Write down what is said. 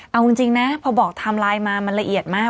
เอาจริงนะพอบอกไทม์ไลน์มามันละเอียดมาก